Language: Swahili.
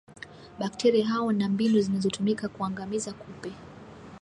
bakteria hao na mbinu zinazotumika kuangamiza kupe